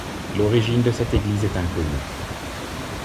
L'origine de cette église est inconnue.